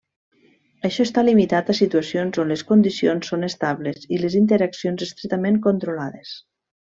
Això està limitat a situacions on les condicions són estables i les interaccions estretament controlades.